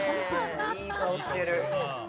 いい顔してる。